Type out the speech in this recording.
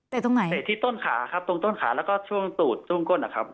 ตรงไหนเตะที่ต้นขาครับตรงต้นขาแล้วก็ช่วงตูดช่วงก้นนะครับ